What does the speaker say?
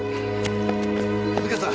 右京さん！